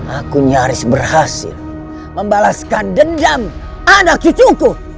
aku nyaris berhasil membalaskan dendam anak cucuku